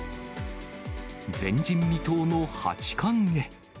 前人未到の八冠へ。